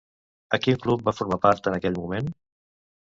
A quin club va formar part en aquell moment?